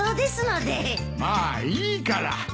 まあいいから。